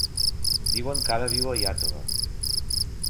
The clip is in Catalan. Diuen que ara viu a Iàtova.